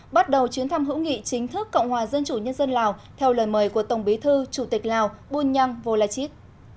bắt đầu chuyến thăm hữu nghị chính thức cộng hòa dân chủ nhân dân lào theo lời mời của tổng bí thư chủ tịch lào bùn nhăng vô lai chít